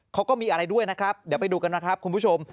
เขาก็มีอะไรด้วยนะครับเดี๋ยวไปดูกันนะครับคุณผู้ชม